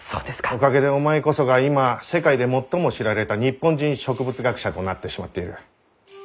おかげでお前こそが今世界で最も知られた日本人植物学者となってしまっている。